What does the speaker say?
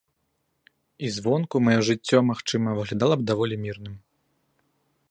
І звонку маё жыццё, магчыма, выглядала б даволі мірным.